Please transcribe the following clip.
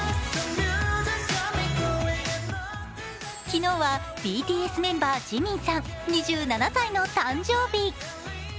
昨日はＢＴＳメンバーＪＩＭＩＮさん、２７歳の誕生日。